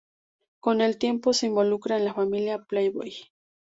Con el tiempo se involucra en la familia Playboy.